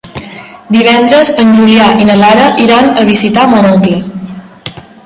Divendres en Julià i na Lara iran a visitar mon oncle.